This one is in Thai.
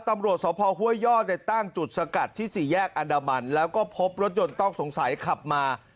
ตำรวจสพห้วยยอดตั้งจุดสกัดที่สี่แยกอันดามันแล้วก็พบรถยนต์ต้องสงสัยขับมา